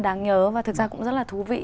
đáng nhớ và thực ra cũng rất là thú vị